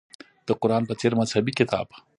د قران په څېر مذهبي کتاب.